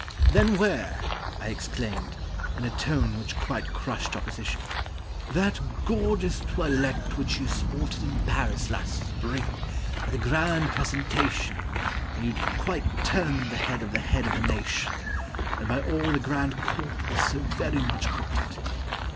"Then wear," I exclaimed, in a tone which quite crushed Opposition, "that gorgeous toilette which you sported In Paris last spring, at the grand presentation, When you quite turned the head of the head of the nation; And by all the grand court were so very much courted."